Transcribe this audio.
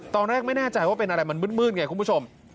ตอนแรกไม่แน่ใจว่าเป็นอะไรมันมืดไงคุณผู้ชม